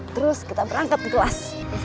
terus kita berangkat di kelas